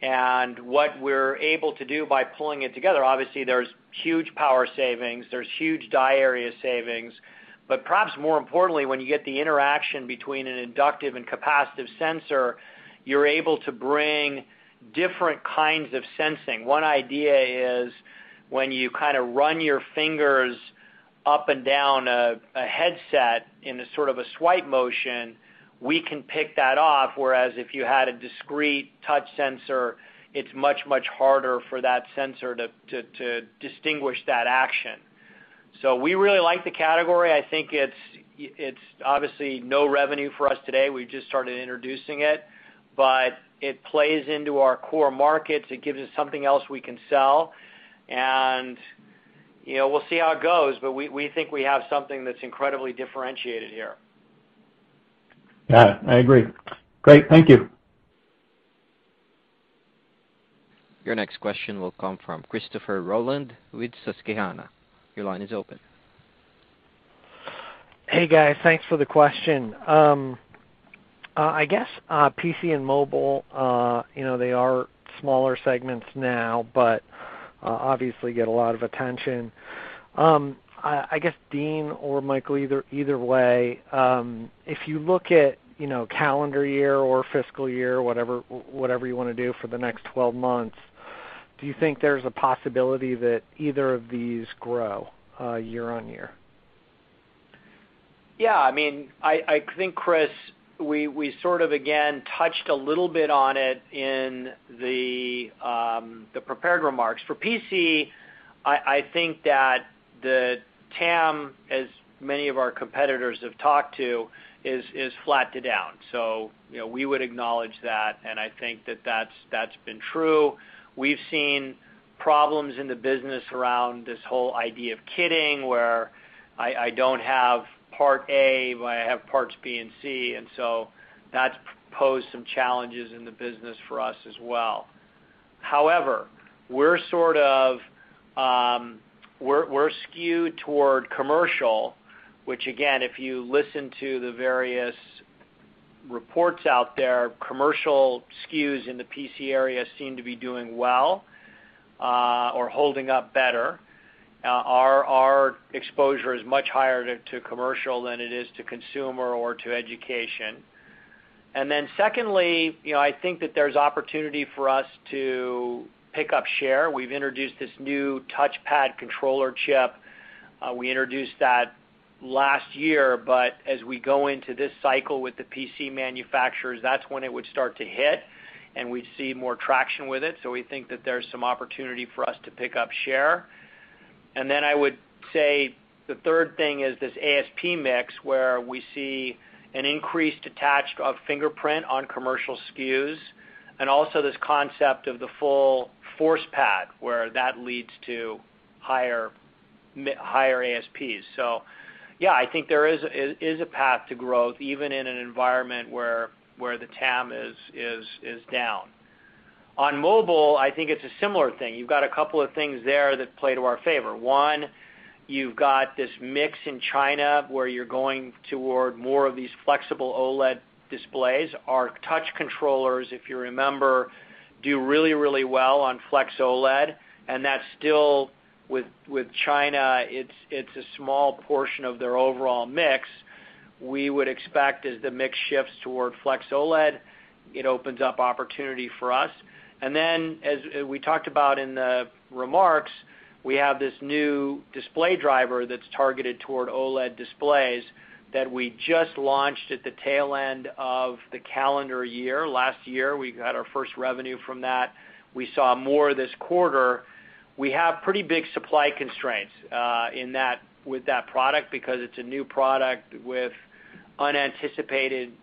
What we're able to do by pulling it together, obviously, there's huge power savings, there's huge die area savings. Perhaps more importantly, when you get the interaction between an inductive and capacitive sensor, you're able to bring different kinds of sensing. One idea is when you kind of run your fingers up and down a headset in a sort of a swipe motion, we can pick that up, whereas if you had a discrete touch sensor, it's much harder for that sensor to distinguish that action. We really like the category. I think it's obviously no revenue for us today. We just started introducing it, but it plays into our core markets. It gives us something else we can sell. You know, we'll see how it goes, but we think we have something that's incredibly differentiated here. Yeah, I agree. Great. Thank you. Your next question will come from Christopher Rolland with Susquehanna. Your line is open. Hey, guys. Thanks for the question. I guess, PC and mobile, you know, they are smaller segments now, but obviously get a lot of attention. I guess, Dean or Michael, either way, if you look at, you know, calendar year or fiscal year, whatever you wanna do for the next 12 months, do you think there's a possibility that either of these grow year-over-year? Yeah. I mean, I think, Chris, we sort of again touched a little bit on it in the prepared remarks. For PC, I think that the TAM, as many of our competitors have talked to, is flat to down. You know, we would acknowledge that, and I think that that's been true. We've seen problems in the business around this whole idea of kitting, where I don't have part A, but I have parts B and C, and so that's posed some challenges in the business for us as well. However, we're skewed toward commercial, which again, if you listen to the various reports out there, commercial SKUs in the PC area seem to be doing well or holding up better. Our exposure is much higher to commercial than it is to consumer or to education. Secondly, you know, I think that there's opportunity for us to pick up share. We've introduced this new touchpad controller chip. We introduced that last year, but as we go into this cycle with the PC manufacturers, that's when it would start to hit, and we see more traction with it. We think that there's some opportunity for us to pick up share. I would say the third thing is this ASP mix where we see an increased attach of fingerprint on commercial SKUs, and also this concept of the full ForcePad, where that leads to higher ASPs. Yeah, I think there is a path to growth, even in an environment where the TAM is down. On mobile, I think it's a similar thing. You've got a couple of things there that play to our favor. One, you've got this mix in China where you're going toward more of these flexible OLED displays. Our touch controllers, if you remember, do really, really well on flex OLED, and that's still with China, it's a small portion of their overall mix. We would expect as the mix shifts toward flex OLED, it opens up opportunity for us. As we talked about in the remarks, we have this new display driver that's targeted toward OLED displays that we just launched at the tail end of the calendar year. Last year, we got our first revenue from that. We saw more this quarter. We have pretty big supply constraints in that with that product because it's a new product with unanticipated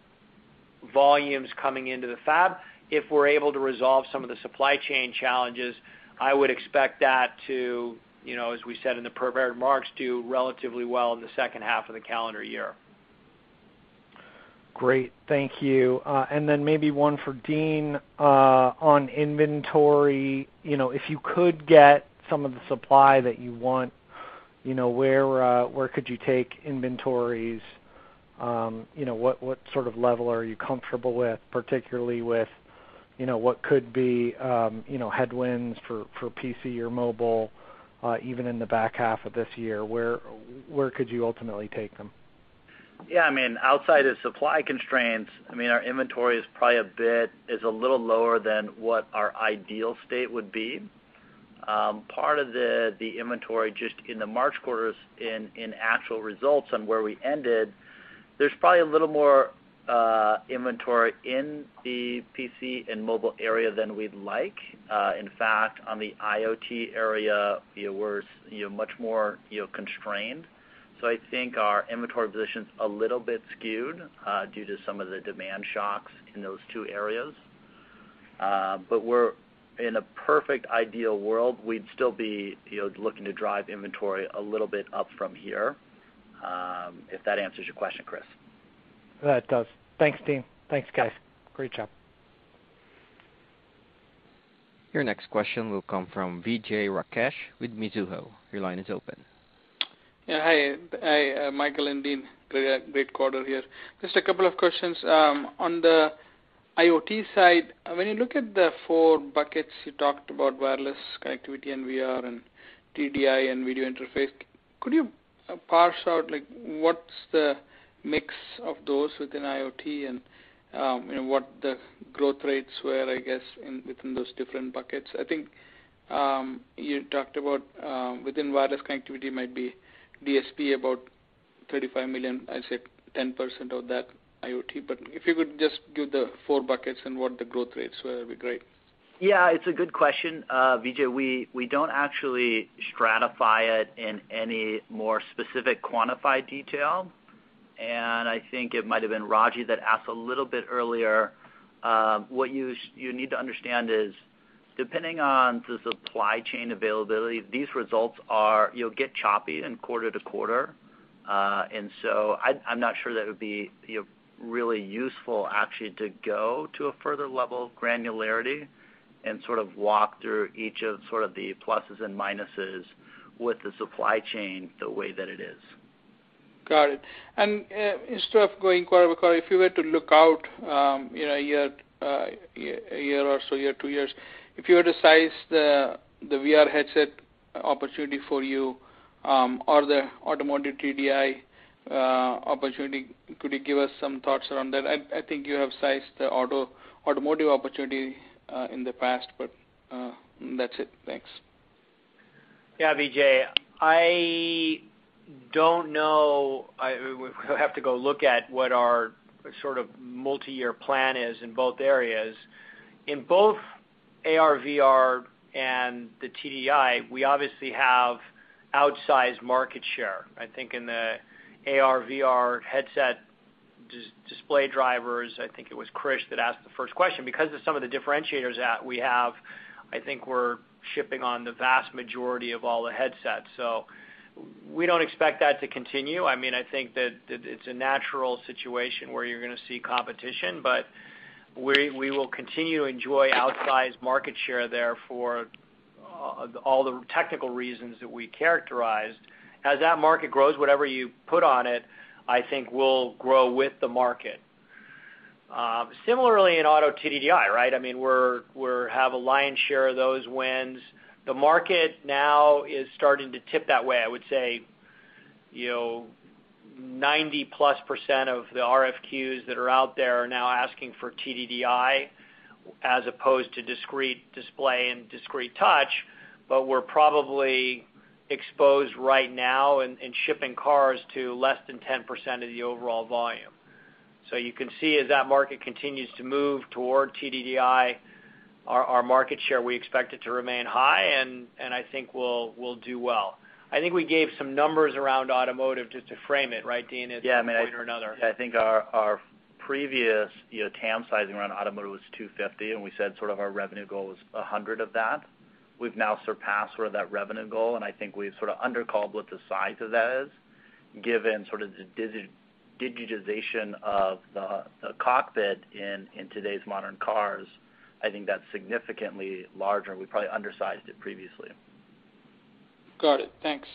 volumes coming into the fab. If we're able to resolve some of the supply chain challenges, I would expect that to, you know, as we said in the prepared remarks, do relatively well in the second half of the calendar year. Great. Thank you. Maybe one for Dean, on inventory. You know, if you could get some of the supply that you want, you know, where could you take inventories? You know, what sort of level are you comfortable with, particularly with, you know, what could be, you know, headwinds for PC or mobile, even in the back half of this year? Where could you ultimately take them? I mean, outside of supply constraints, I mean, our inventory is probably a little lower than what our ideal state would be. Part of the inventory just in the March quarters in actual results on where we ended, there's probably a little more inventory in the PC and mobile area than we'd like. In fact, on the IoT area, we were, you know, much more, you know, constrained. I think our inventory position's a little bit skewed due to some of the demand shocks in those two areas. In a perfect ideal world, we'd still be, you know, looking to drive inventory a little bit up from here, if that answers your question, Krish. That does. Thanks, team. Thanks, guys. Great job. Your next question will come from Vijay Rakesh with Mizuho. Your line is open. Yeah. Hi, Michael and Dean. Great quarter here. Just a couple of questions. On the IoT side, when you look at the four buckets, you talked about wireless connectivity and VR and TDDI and video interface, could you parse out, like, what's the mix of those within IoT and, you know, what the growth rates were, I guess, within those different buckets? I think, you talked about, within wireless connectivity might be DSP about $35 million. I said 10% of that IoT. But if you could just give the four buckets and what the growth rates were, that'd be great. Yeah, it's a good question, Vijay. We don't actually stratify it in any more specific quantified detail. I think it might have been Rajvindra that asked a little bit earlier. What you need to understand is, depending on the supply chain availability, these results are. You'll get choppy quarter-to-quarter. I'm not sure that it would be, you know, really useful actually to go to a further level of granularity and sort of walk through each of sort of the pluses and minuses with the supply chain the way that it is. Got it. Instead of going quarter by quarter, if you were to look out, you know, a year or so, two years, if you were to size the VR headset opportunity for you, or the automotive TDDI opportunity, could you give us some thoughts around that? I think you have sized the automotive opportunity in the past, but that's it. Thanks. Yeah, Vijay. I don't know. I would have to go look at what our sort of multi-year plan is in both areas. In both AR/VR and the TDDI, we obviously have outsized market share. I think in the AR/VR headset display drivers, I think it was Krish that asked the first question, because of some of the differentiators that we have, I think we're shipping on the vast majority of all the headsets. We don't expect that to continue. I mean, I think that it's a natural situation where you're gonna see competition, but we will continue to enjoy outsized market share there for all the technical reasons that we characterized. As that market grows, whatever you put on it, I think will grow with the market. Similarly in auto TDDI, right? I mean, we have a lion's share of those wins. The market now is starting to tip that way. I would say, you know, 90%+ of the RFQs that are out there are now asking for TDDI as opposed to discrete display and discrete touch, but we're probably exposed right now in shipping cars to less than 10% of the overall volume. You can see as that market continues to move toward TDDI, our market share, we expect it to remain high, and I think we'll do well. I think we gave some numbers around automotive just to frame it, right, Dean. At one point or another. Yeah. I mean, I think our previous, you know, TAM sizing around automotive was $250, and we said sort of our revenue goal was $100 of that. We've now surpassed sort of that revenue goal, and I think we've sort of undercalled what the size of that is given sort of the digitization of the cockpit in today's modern cars. I think that's significantly larger, and we probably undersized it previously. Got it. Thanks.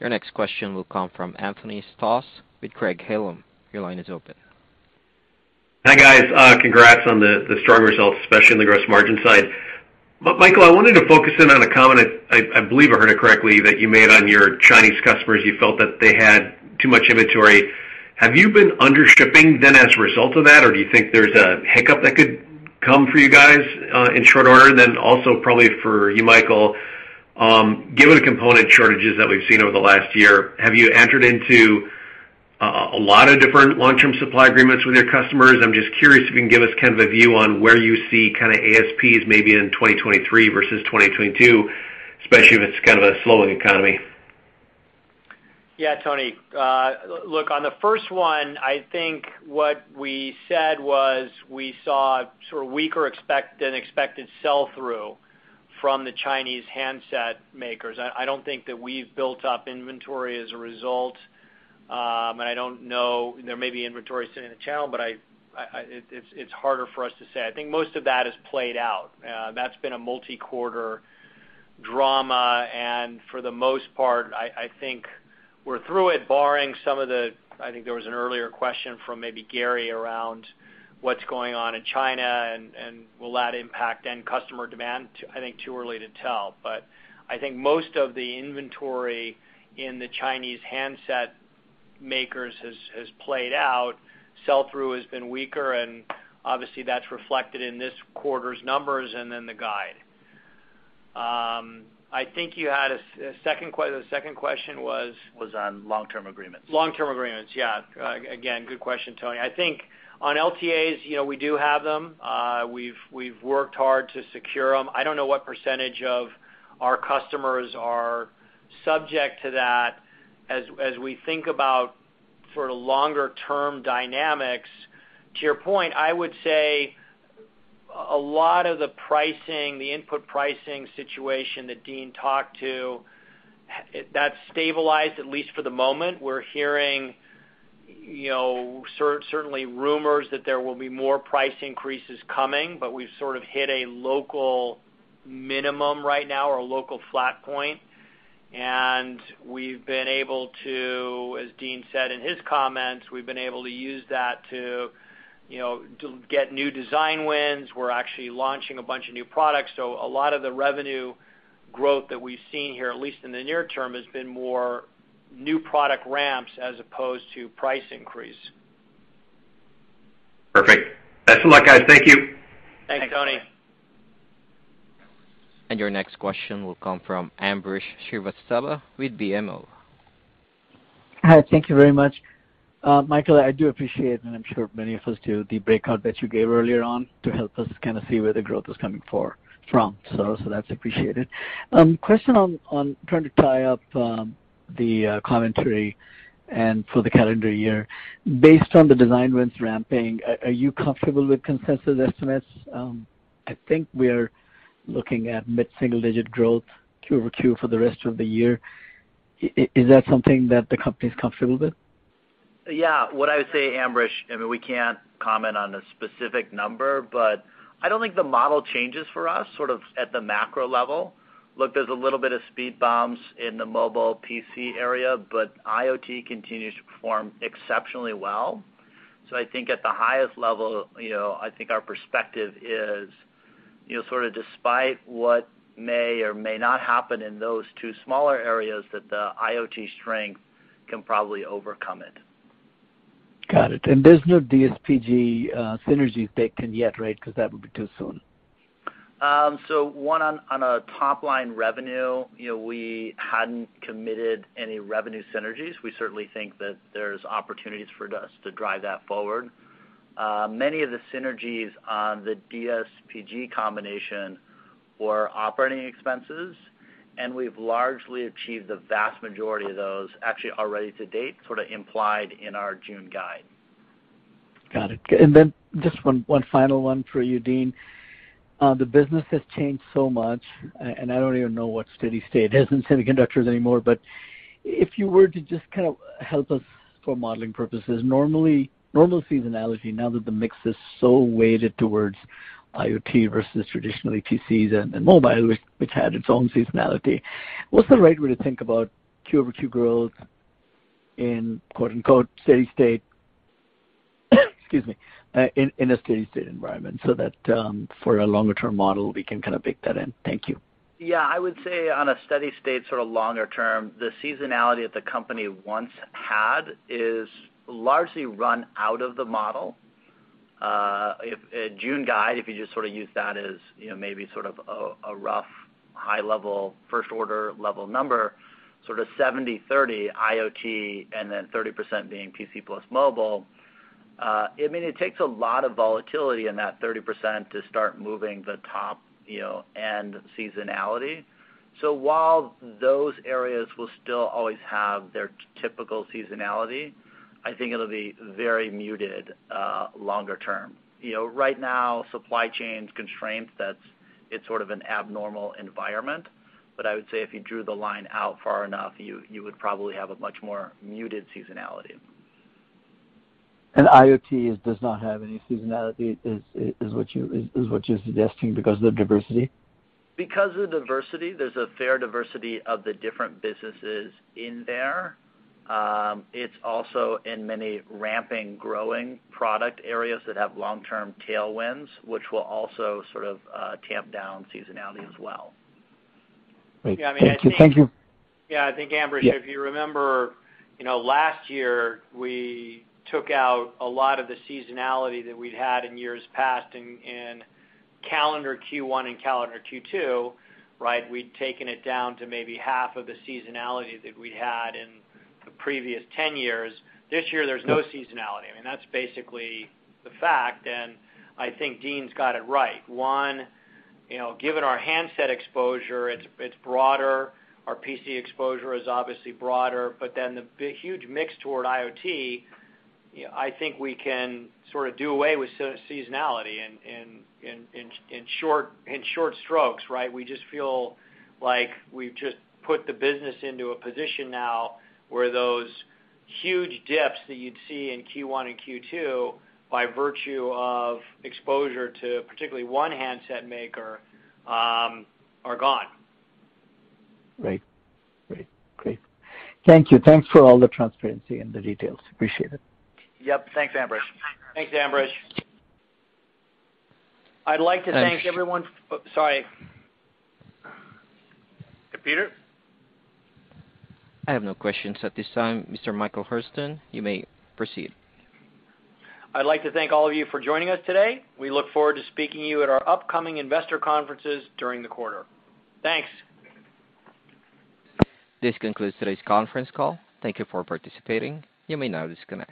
Your next question will come from Anthony Stoss with Craig-Hallum. Your line is open. Hi, guys. Congrats on the strong results, especially on the gross margin side. Michael, I wanted to focus in on a comment, I believe I heard it correctly, that you made on your Chinese customers. You felt that they had too much inventory. Have you been under shipping then as a result of that? Or do you think there's a hiccup that could come for you guys in short order? Also probably for you, Michael, given the component shortages that we've seen over the last year, have you entered into a lot of different long-term supply agreements with your customers? I'm just curious if you can give us kind of a view on where you see kind of ASPs maybe in 2023 versus 2022, especially if it's kind of a slowing economy. Yeah, Anthony. Look, on the first one, I think what we said was we saw sort of weaker than expected sell-through from the Chinese handset makers. I don't think that we've built up inventory as a result. And I don't know, there may be inventory sitting in the channel, but it's harder for us to say. I think most of that has played out. That's been a multi-quarter drama, and for the most part, I think we're through it, barring some of the. I think there was an earlier question from maybe Gary around what's going on in China and will that impact end customer demand. I think it's too early to tell. I think most of the inventory in the Chinese handset makers has played out. Sell-through has been weaker, and obviously that's reflected in this quarter's numbers and then the guide. I think you had a second question. The second question was? Was on long-term agreements. Long-term agreements, yeah. Again, good question, Tony. I think on LTAs, you know, we do have them. We've worked hard to secure them. I don't know what percentage of our customers are subject to that. As we think about sort of longer-term dynamics, to your point, I would say a lot of the pricing, the input pricing situation that Dean talked to, that's stabilized at least for the moment. We're hearing, you know, certainly rumors that there will be more price increases coming, but we've sort of hit a local minimum right now or a local flat point. We've been able to, as Dean said in his comments, use that to, you know, get new design wins. We're actually launching a bunch of new products. A lot of the revenue growth that we've seen here, at least in the near term, has been more new product ramps as opposed to price increase. Perfect. Best of luck, guys. Thank you. Thanks, Anthony. Your next question will come from Ambrish Srivastava with BMO. Hi, thank you very much. Michael, I do appreciate, and I'm sure many of us do, the breakout that you gave earlier on to help us kind of see where the growth is coming from. That's appreciated. Question on trying to tie up the commentary and for the calendar year. Based on the design wins ramping, are you comfortable with consensus estimates? I think we're looking at mid-single-digit growth Q-over-Q for the rest of the year. Is that something that the company's comfortable with? Yeah. What I would say, Ambrish, I mean, we can't comment on a specific number, but I don't think the model changes for us sort of at the macro level. Look, there's a little bit of speed bumps in the mobile PC area, but IoT continues to perform exceptionally well. I think at the highest level, you know, I think our perspective is, you know, sort of despite what may or may not happen in those two smaller areas, that the IoT strength can probably overcome it. Got it. There's no DSPG synergies baked in yet, right? 'Cause that would be too soon. One on top-line revenue, you know, we hadn't committed any revenue synergies. We certainly think that there's opportunities for us to drive that forward. Many of the synergies on the DSPG combination were operating expenses, and we've largely achieved the vast majority of those, actually already to date, sort of implied in our June guide. Got it. Just one final one for you, Dean. The business has changed so much, and I don't even know what steady state is in semiconductors anymore, but if you were to just kind of help us for modeling purposes, normal seasonality, now that the mix is so weighted towards IoT versus traditional ATCs and mobile, which had its own seasonality, what's the right way to think about Q over Q growth in quote-unquote steady state, excuse me, in a steady state environment so that, for a longer-term model, we can kind of bake that in? Thank you. Yeah, I would say on a steady state sort of longer term, the seasonality that the company once had is largely run out of the model. If the June guide, if you just sort of use that as, you know, maybe sort of a rough high level first order level number, sort of 70/30 IoT and then 30% being PC plus mobile, I mean, it takes a lot of volatility in that 30% to start moving the top, you know, and seasonality. While those areas will still always have their typical seasonality, I think it'll be very muted longer term. You know, right now, supply chain constraints, that's sort of an abnormal environment. I would say if you drew the line out far enough, you would probably have a much more muted seasonality. IoT does not have any seasonality, is what you're suggesting because of the diversity? Because of the diversity, there's a fair diversity of the different businesses in there. It's also in many ramping, growing product areas that have long-term tailwinds, which will also sort of tamp down seasonality as well. Great. Thank you. Thank you. Yeah, I mean, I think. Yeah, I think Ambrish. Yeah. If you remember, you know, last year we took out a lot of the seasonality that we'd had in years past in calendar Q1 and calendar Q2, right? We'd taken it down to maybe half of the seasonality that we had in the previous 10 years. This year, there's no seasonality. I mean, that's basically the fact, and I think Dean's got it right. One, you know, given our handset exposure, it's broader. Our PC exposure is obviously broader. But then huge mix toward IoT, you know, I think we can sort of do away with seasonality in short strokes, right? We just feel like we've just put the business into a position now where those huge dips that you'd see in Q1 and Q2, by virtue of exposure to particularly one handset maker, are gone. Great. Thank you. Thanks for all the transparency and the details. Appreciate it. Yep. Thanks, Ambrish. Thanks, Ambrish. I'd like to thank everyone. Thanks. Oh, sorry. Operator? I have no questions at this time. Mr. Michael Hurlston, you may proceed. I'd like to thank all of you for joining us today. We look forward to speaking to you at our upcoming investor conferences during the quarter. Thanks. This concludes today's conference call. Thank you for participating. You may now disconnect.